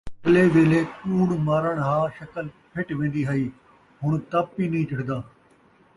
اڳلے ویلھے کوڑ مارن ہا شکل پھٹ ویندی ہئی، ہݨ تپ ای نئیں چڑھدا